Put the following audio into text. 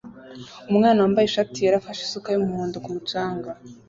Umwana wambaye ishati yera afashe isuka y'umuhondo ku mucanga